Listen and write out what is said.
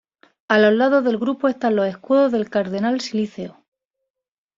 A los lados del grupo están los escudos del cardenal Silíceo.